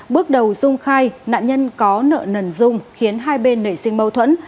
bước đầu dung khai nạn nhân có nợ nần dung khiến hai bên nảy sinh mâu thuẫn